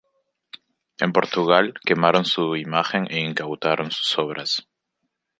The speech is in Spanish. En Portugal quemaron su imagen e incautaron sus obras.